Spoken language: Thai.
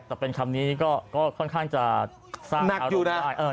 แต่เป็นคำนี้ก็ค่อนข้างจะสร้างอารมณ์ได้